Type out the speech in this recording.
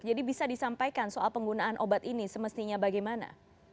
jadi bisa disampaikan soal penggunaan obat ini semestinya bagaimana